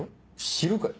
知るかよ。